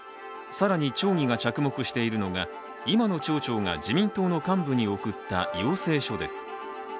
更に町議が着目しているのが今の町長が自民党の幹部に送った要請書です。